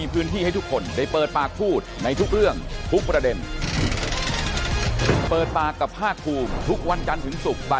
เกี่ยวกับเรื่องนี้เลยครับเปิดบัญชีมา